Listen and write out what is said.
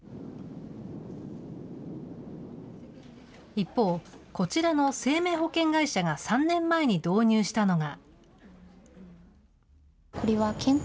一方、こちらの生命保険会社が３年前に導入したのが。